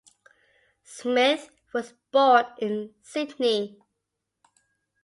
Smith was born in Sydney.